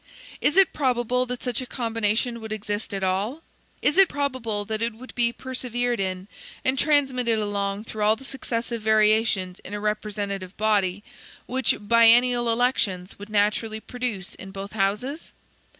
Is it probable that such a combination would exist at all? Is it probable that it would be persevered in, and transmitted along through all the successive variations in a representative body, which biennial elections would naturally produce in both houses?